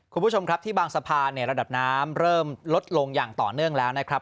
คุณผู้ชมครับที่บางสะพานเนี่ยระดับน้ำเริ่มลดลงอย่างต่อเนื่องแล้วนะครับ